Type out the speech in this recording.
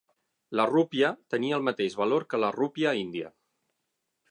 La rúpia tenia el mateix valor que la rúpia índia.